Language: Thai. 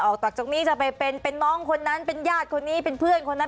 ออกจากนี้จะไปเป็นน้องคนนั้นเป็นญาติคนนี้เป็นเพื่อนคนนั้น